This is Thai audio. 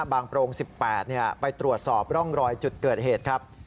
โปรง๑๘ไปตรวจสอบร่องรอยจุดเกิดเหตุครับ